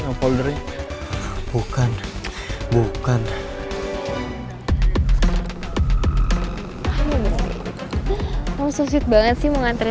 oh ya sebentar